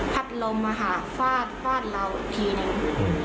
พัดลมมาฝาดร้าวอีกทีนึง